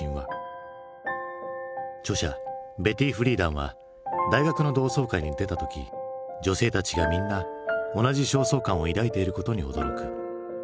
著者ベティ・フリーダンは大学の同窓会に出た時女性たちがみんな同じ焦燥感を抱いていることに驚く。